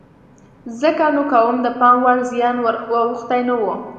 ځکه نو کوم د پام وړ زیان ور اوښتی نه و.